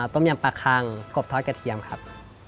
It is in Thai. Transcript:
ต้มยำปลาคังกบทอดกระเทียมครับ